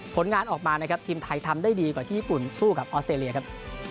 ผลงานออกมานะครับทีมไทยทำได้ดีกว่าที่ญี่ปุ่นสู้กับออสเตรเลียครับ